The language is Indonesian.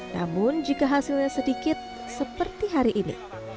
namun jika hasilnya sedikit seperti hari ini